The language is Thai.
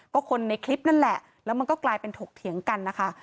ก็คนในคลิปนั่นแหละแล้วมันก็กลายเป็นถกเถียงกันนะคะ